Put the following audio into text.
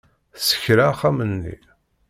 Tessekra axxam-nni.